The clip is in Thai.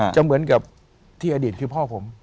จะเหมือนกับที่อดีตคือพ่อผม